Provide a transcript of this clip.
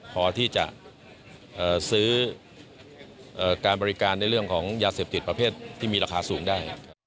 พอที่จะซื้อการบริการในเรื่องของยาเสพติดประเภทที่มีราคาสูงได้